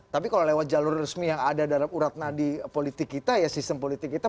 tapi kalau lewat jalur resmi yang ada dalam urat nadi politik kita ya sistem politik kita